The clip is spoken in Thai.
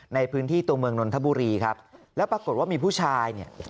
ในพื้นที่ตัวเมืองนนทบุรีครับแล้วปรากฏว่ามีผู้ชายเนี่ย